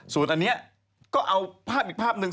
ส่วนอันนี้ก็เอาภาพอีกภาพหนึ่ง